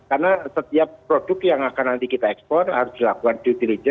karena setiap produk yang akan nanti kita ekspor harus dilakukan due diligence